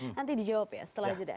nanti dijawab ya setelah jeda